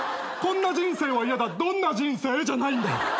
「こんな人生は嫌だどんな人生？」じゃないんだ。